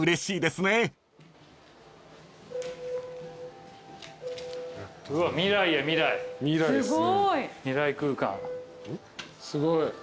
すごい。